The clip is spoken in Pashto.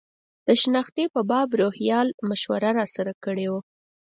د شنختې په باب روهیال مشوره راسره کړې وه.